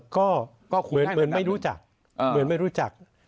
ก็เหมือนไม่รู้จัก